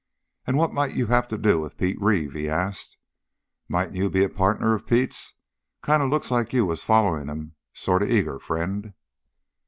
"And what might you have to do with Pete Reeve?" he asked. "Mightn't you be a partner of Pete's? Kind of looks like you was following him sort of eager, friend."